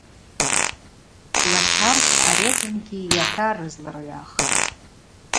Лачарх ари азынгьи йатарызлыргӏвахтӏ.